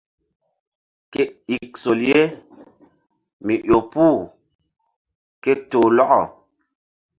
Ke ik sol ye mi ƴo puh ke toh lɔkɔ.